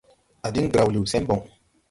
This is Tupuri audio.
A diŋ graw liw sɛn bɔŋ.